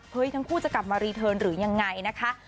ทั้งคู่จะกลับมารีเทิร์นหรือยังไงนะคะ